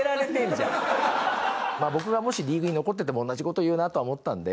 まあ僕がもしリーグに残ってても同じ事言うなと思ったので。